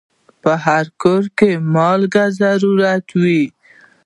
په هر کور کې مالګه ضرور وي.